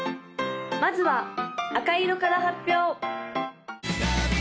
まずは赤色から発表！